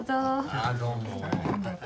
ああどうも。